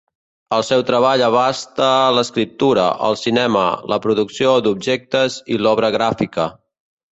El seu treball abasta l'escriptura, el cinema, la producció d'objectes i l'obra gràfica.